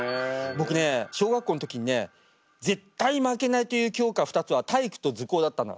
僕ね小学校の時にね絶対負けないという教科２つは体育と図工だったの。